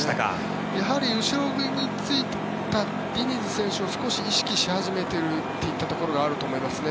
やはり、後ろについたディニズ選手を少し意識し始めているというところがあると思いますね。